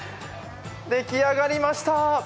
出来上がりました。